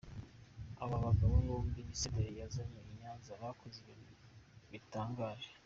Aba bagabo bombi Senderi yazanye i Nyanza bakoze ibintu bitangaje.